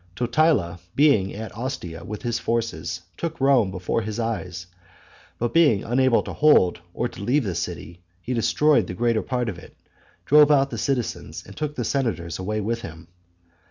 Totila being at Ostia with his forces, took Rome before his eyes; but being unable to hold or to leave the city, he destroyed the greater part of it, drove out the citizens, and took the senators away from him.